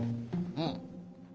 うん。